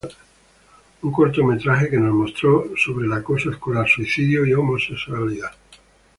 Un cortometraje que nos mostró sobre el acoso escolar, suicidio y homosexualidad.